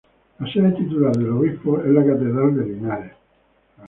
La sede titular del obispo es la catedral de Linares.